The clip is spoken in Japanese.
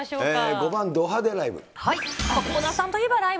５番、ド派手ライブ。